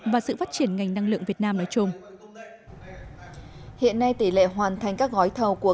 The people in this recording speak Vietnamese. và sự phát triển ngành năng lượng việt nam nói chung hiện nay tỷ lệ hoàn thành các gói thầu của